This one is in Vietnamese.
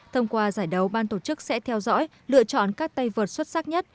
thông qua giải đấu ban tổ chức sẽ theo dõi lựa chọn các tay vượt xuất sắc nhất